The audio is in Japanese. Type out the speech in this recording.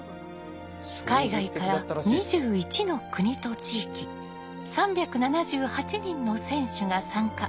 海外から２１の国と地域３７８人の選手が参加。